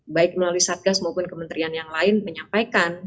baik melalui satgas maupun kementerian yang lain menyampaikan